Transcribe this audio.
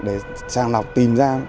để sàng lọc tìm ra